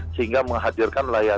sehingga menghadirkan layak